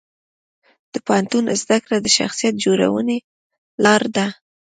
د پوهنتون زده کړه د شخصیت جوړونې لار ده.